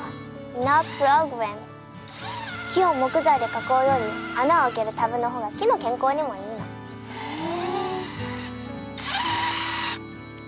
Ｎｏｐｒｏｂｌｅｍ．木を木材で囲うより穴を開けるＴＡＢの方が木の健康にもいいの。へえ！